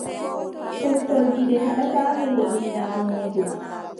Purtol gite haɗataa hoore nyaameego.